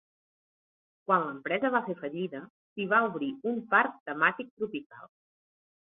Quan l'empresa va fer fallida, s'hi va obrir un parc temàtic tropical.